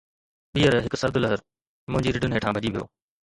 ٻيهر، هڪ سرد لهر منهنجي رڍن هيٺان ڀڄي ويو